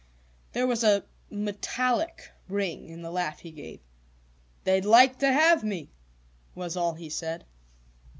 There was a metallic ring in the laugh he gave. "They'd like to have me!" was all he said.